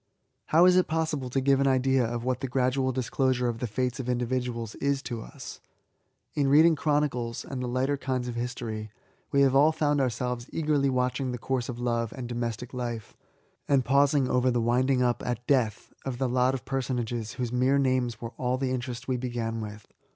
How is it possible to give an idea of what the gradual disclosure of the fates of individuals is to us ? In reading chronicles, and the lighter kinds of history, we have all found ourselves eagerly watching the course of love and domestic life, and pausing over the winding up, at death, of the lot of personages whose mere names were all the interest we began with.